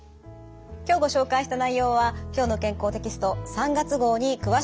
今日ご紹介した内容は「きょうの健康」テキスト３月号に詳しく掲載されています。